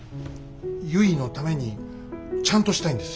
ゆいのためにちゃんとしたいんです。